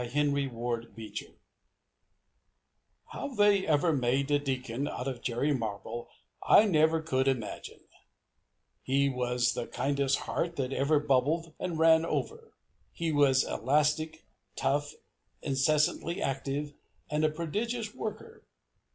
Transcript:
HENRY WARD BEECHER DEACON MARBLE How they ever made a deacon out of Jerry Marble I never could imagine! His was the kindest heart that ever bubbled and ran over. He was elastic, tough, incessantly active, and a prodigious worker.